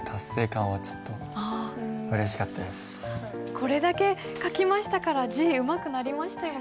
これだけ書きましたから字うまくなりましたよね。